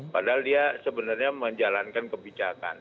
padahal dia sebenarnya menjalankan kebijakan